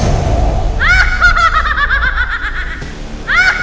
sancang nalendra op kamu terserah